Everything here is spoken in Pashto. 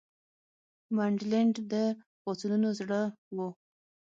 منډلینډ د پاڅونونو زړه وو.